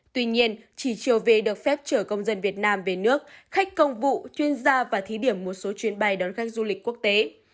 tuy nhiên chỉ chiều về được phép chở công dân việt nam về nước khách công vụ chuyên gia và thí điểm một số chuyến bay đón khách du lịch quốc tế